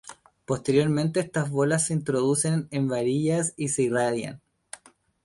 Posteriormente estas bolas se introducen en varillas y se irradian.